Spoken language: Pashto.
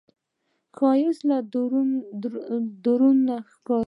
ښایست له درون ښکاري